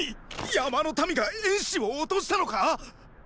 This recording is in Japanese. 山の民が衍氏を落としたのか！